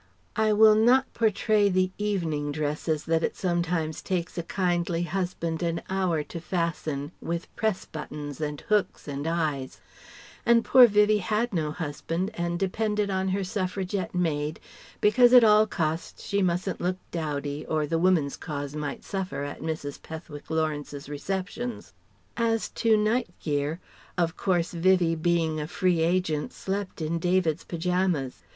I will not portray the evening dresses that it sometimes takes a kindly husband an hour to fasten, with "press buttons" and hooks and eyes; and poor Vivie had no husband and depended on her suffragette maid because at all costs she mustn't look dowdy or the woman's cause might suffer at Mrs. Pethick Lawrence's receptions. As to night gear: of course Vivie being a free agent slept in David's paijamas.